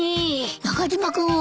中島君は？